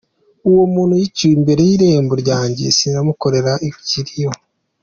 Uwo muntu yiciwe imbere y’irembo ryanjye sinamukorera ikiriyo.